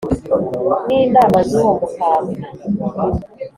n’inama z’uwo mukambwe.